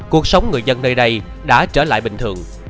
cuộc sống người dân nơi đây đã trở lại bình thường